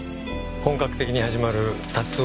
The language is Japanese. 本格的に始まる竜追